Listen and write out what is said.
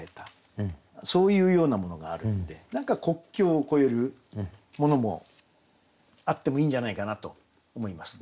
そういうようなものがあるんで何か国境を越えるものもあってもいいんじゃないかなと思います。